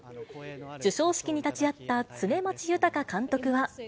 授賞式に立ち会った常間地裕監督は。